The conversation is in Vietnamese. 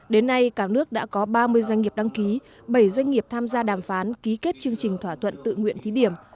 đến nay cả nước đã có ba mươi doanh nghiệp đăng ký bảy doanh nghiệp tham gia đàm phán ký kết chương trình thỏa thuận tự nguyện thí điểm